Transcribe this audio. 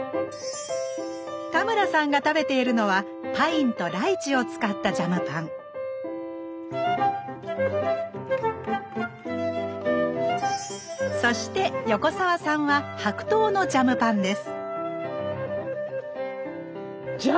田村さんが食べているのはパインとライチを使ったジャムパンそして横澤さんは白桃のジャムパンです